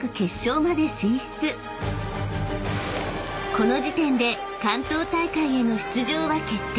［この時点で関東大会への出場は決定］